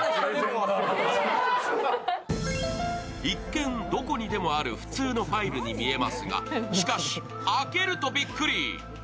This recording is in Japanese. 一見、どこにでもある普通のファイルに見えますが、しかし、開けるとびっくり。